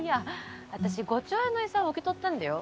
私５兆円の遺産を受け取ったんだよ？